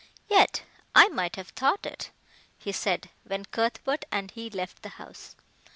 "Yet I might have thought it," he said, when Cuthbert and he left the house.